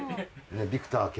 ビクター犬。